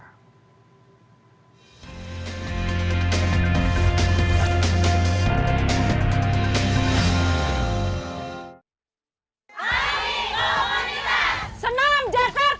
ami komunitas senam jakarta timur